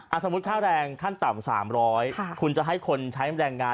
สมมุติค่าแรงขั้นต่ำ๓๐๐คุณจะให้คนใช้แรงงาน